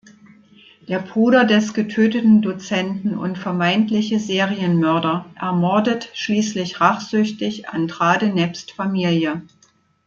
Der Bruder des getöteten Dozenten und vermeintliche Serienmörder ermordet schließlich rachsüchtig Andrade nebst Familie.